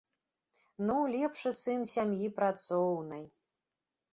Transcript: Ну, лепшы сын сям'і працоўнай!